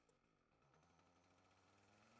ډیټابیس د معلوماتو تنظیم کولو لپاره کارېږي.